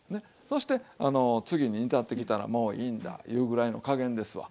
そして次に煮立ってきたらもういいんだいうぐらいの加減ですわ。